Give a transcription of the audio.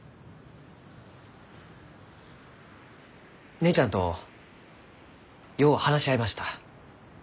姉ちゃんとよう話し合いました。